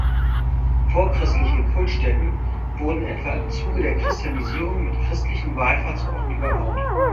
Vorchristliche Kultstätten wurden etwa im Zuge der Christianisierung mit christlichen Wallfahrtsorten überbaut.